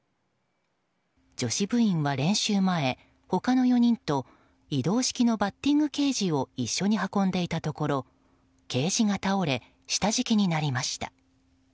女子部員は練習前、他の４人と移動式のバッティングケージを一緒に運んでいたところケージが倒れ下敷きになりました。